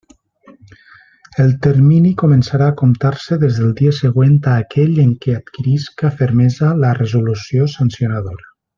El termini començarà a comptar-se des del dia següent a aquell en què adquirisca fermesa la resolució sancionadora.